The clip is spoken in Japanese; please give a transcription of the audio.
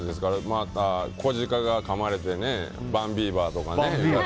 また小鹿がかまれてバンビーバーとかね。